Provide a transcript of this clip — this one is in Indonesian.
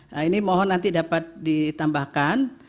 nah ini mohon nanti dapat ditambahkan